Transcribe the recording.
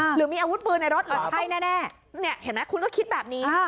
หรือมีอาวุธปืนในรถเห็นไหมคุณก็คิดแบบนี้อ่า